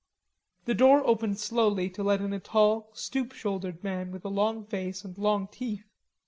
The door opened slowly to let in a tall, stoop shouldered man with a long face and long teeth.